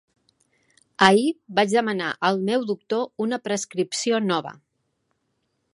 Ahir, vaig demanar al meu doctor una prescripció nova.